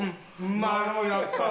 まろやか！